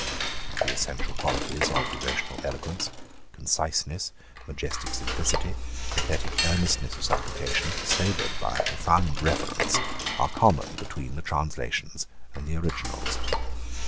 The essential qualities of devotional eloquence, conciseness, majestic simplicity, pathetic earnestness of supplication, sobered by a profound reverence, are common between the translations and the originals.